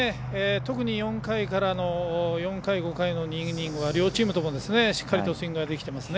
特に４回からの４回５回の２イニングは両チームともしっかりとスイングができてますね。